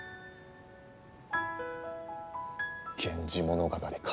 「源氏物語」か。